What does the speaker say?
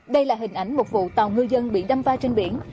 đây là hình ảnh một vụ tàu ngư dân bị đâm va trên biển